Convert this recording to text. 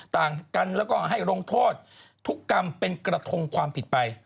ต่างกันแล้วก็ให้ลงโทษทุกกรรมเป็นกระทงความผิดไป